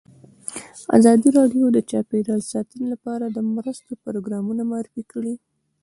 ازادي راډیو د چاپیریال ساتنه لپاره د مرستو پروګرامونه معرفي کړي.